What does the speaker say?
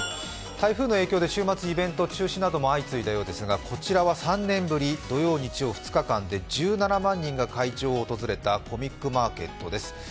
台風の影響で週末、イベント中止なども相次いだようですが、こちらは３年ぶり、土曜、日曜２日間で１７万人が会場を訪れたコミックマーケットです。